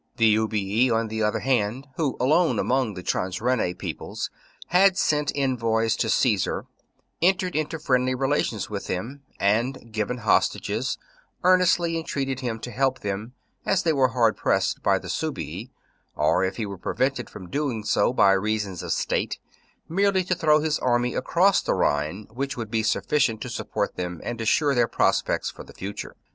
The Ubii, on the other hand, who, alone among the Transrhenane peoples, had sent envoys to Caesar, entered into friendly relations with him, and given hostages, earnestly entreated him to help them, as they were hard pressed by the Suebi, or, if he were prevented from doing so by reasons of state, merely to throw his army across the Rhine, which would be sufficient to support them and assure their prospects for the future.